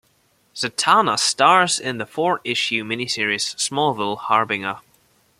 Zatanna stars in the four-issue mini series, "Smallville: Harbinger".